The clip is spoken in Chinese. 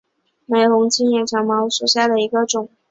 玫红野青茅为禾本科野青茅属下的一个种。